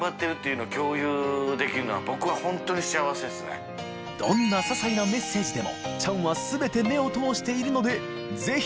磴匹鵑ささいなメッセージでも船礇鵑全て目を通しているので爾勹